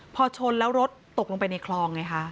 พอชนแล้วรถตกลงไปในคลองไงคะ